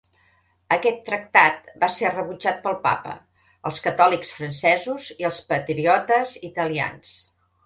Aquest tractat va ser rebutjat pel Papa, els catòlics francesos i els patriotes italians.